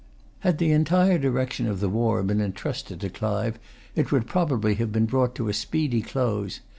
Had the entire direction of the war been intrusted to Clive, it would probably have been brought to a speedy close.